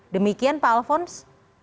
demikian pak alfons